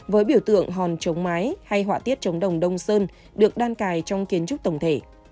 với biểu tượng hòn chống mái hay họa tiết trống đồng đông sơn được đan cài trong kiến trúc tổng thể